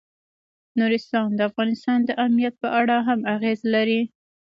نورستان د افغانستان د امنیت په اړه هم اغېز لري.